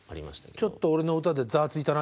ちょっと俺の歌でざわついたな